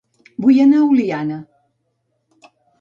Vull anar a Oliana